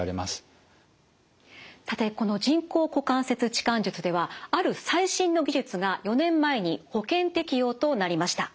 さてこの人工股関節置換術ではある最新の技術が４年前に保険適用となりました。